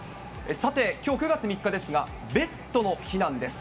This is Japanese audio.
さて、きょう９月３日ですが、ベッドの日なんです。